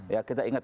ya kita ingat